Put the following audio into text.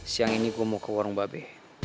siang ini gua mau ke warung babi